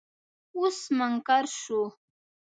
اوس منکر شو.